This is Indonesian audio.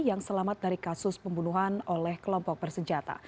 yang selamat dari kasus pembunuhan oleh kelompok bersenjata